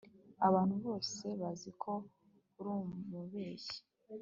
Abantu bose bazi ko uri umubeshyi